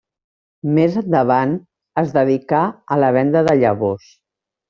Més endavant, es dedicà a la venda de llavors.